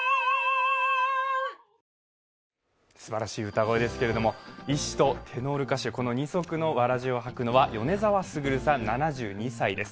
すばらしい歌声ですけれども医師とテノール歌手二足のわらじを履くのは米澤傑さん７２歳です。